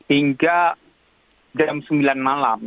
tiga puluh hingga jam sembilan malam